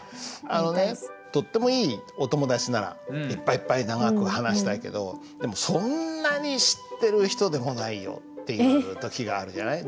あのねとってもいいお友達ならいっぱいいっぱい長く話したいけどでもそんなに知ってる人でもないよっていう時があるじゃない？